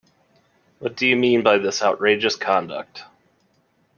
What do you mean by this outrageous conduct.